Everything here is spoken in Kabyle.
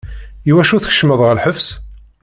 Iwacu tkecmeḍ ɣer lḥebs?